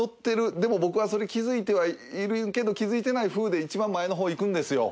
でも僕はそれ気づいてはいるけど気づいてないふうでいちばん前のほう行くんですよ。